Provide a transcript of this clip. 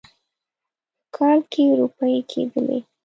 په کال کې روپۍ کېدلې.